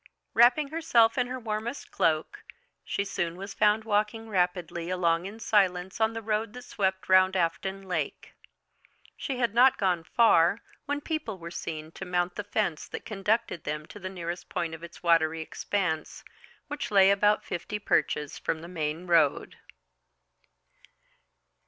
Wrapping herself in her warmest cloak, she soon was found walking rapidly along in silence on the road that swept round Afton Lake. She had not gone far when people were seen to mount the fence that conducted them to the nearest point of its watery expanse, which lay about fifty perches from the main road.